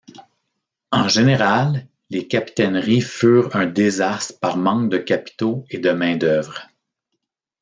En général, les capitaineries furent un désastre par manque de capitaux et de main-d'œuvre.